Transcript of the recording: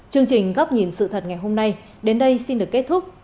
chương trình góc nhìn sự thật ngày hôm nay đến đây xin được kết thúc